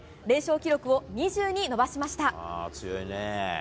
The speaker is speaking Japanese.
連勝記録を２０に伸ばしました。